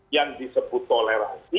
yang disebut toleransi